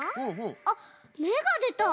あっめがでた！